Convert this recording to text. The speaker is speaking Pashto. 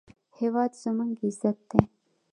هېواد زموږ عزت دی